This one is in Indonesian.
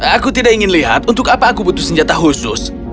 aku tidak ingin lihat untuk apa aku butuh senjata khusus